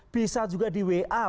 bisa juga di wa